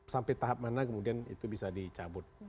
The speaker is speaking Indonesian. sampai tahap mana kemudian itu bisa dicabut